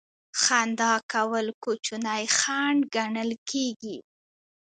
خندا کول کوچنی خنډ ګڼل کیږي.